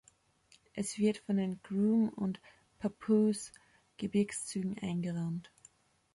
Es wird von den Groom- und Papoose-Gebirgszügen eingerahmt.